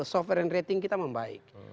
sovereign rating kita membaik